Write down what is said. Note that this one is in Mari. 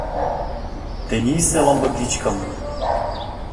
Тенийысе ломбыгичкым.